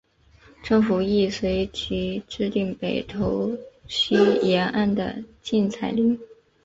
政府亦随即制定北投溪沿岸的禁采令。